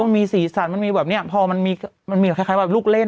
มีสีสันพอมันมีให้ไงแค่แบบลูกเล่น